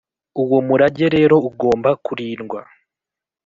uwo murage rero ugomba kurindwa